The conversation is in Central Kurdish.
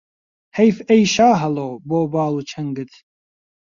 حەیف ئەی شاهەڵۆ بۆ باڵ و چەنگت